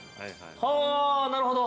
◆はー、なるほど！